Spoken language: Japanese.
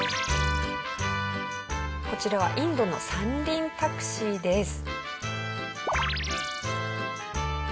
こちらはインドの三輪タクシーです。